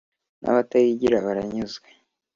n’abatayigira baranyuzwe